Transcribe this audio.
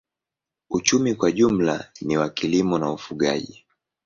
Uchumi kwa jumla ni wa kilimo na ufugaji.